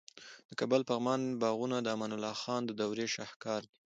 د کابل د پغمان باغونه د امان الله خان د دورې شاهکار دي